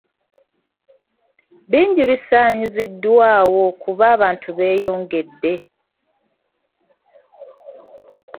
Bingi bisaanyiziddwawo kuba abantu beeyongedde.